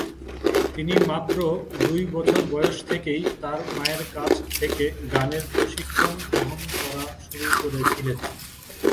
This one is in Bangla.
তিনি মাত্র দুই বছর বয়স থেকেই তার মায়ের কাছ থেকে গানের প্রশিক্ষণ গ্রহণ করা শুরু করেছিলেন।